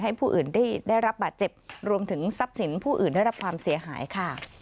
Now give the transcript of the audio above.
ผู้อื่นได้รับบาดเจ็บรวมถึงทรัพย์สินผู้อื่นได้รับความเสียหายค่ะ